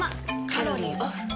カロリーオフ。